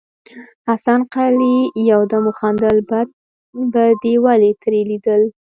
حسن قلي يودم وخندل: بد به دې ولې ترې ليدل.